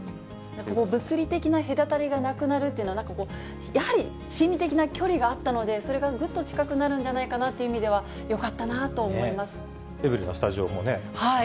物理的な隔たりがなくなるっていうのは、なんか、やはり心理的な距離があったので、それがぐっと近くなるんじゃないかという意味では、よかったなとエブリィのスタジオもね。